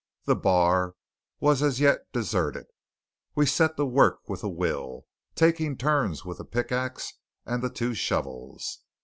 The bar was as yet deserted. We set to work with a will, taking turns with the pickaxe and the two shovels.